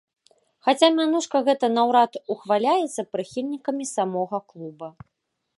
Хаця мянушка гэтая наўрад ухваляецца прыхільнікамі самога клуба.